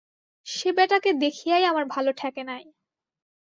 সে বেটাকে দেখিয়াই আমার ভালো ঠেকে নাই।